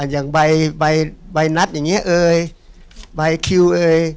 อย่างใบนัดอย่างนี้เอ่ยใบคิวเอ่ย